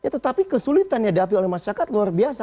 tetapi kesulitan dihadapi oleh masyarakat luar biasa